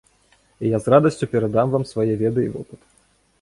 І я з радасцю перадам вам свае веды і вопыт.